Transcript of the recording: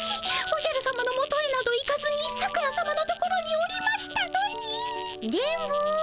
おじゃるさまのもとへなど行かずに桜さまのところにおりましたのに。